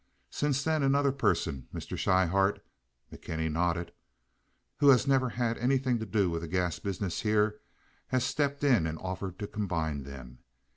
Since then another person, Mr. Schryhart"—McKenty nodded—"who has never had anything to do with the gas business here, has stepped in and offered to combine them.